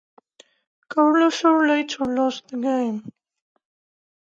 Carlsen later lost the game.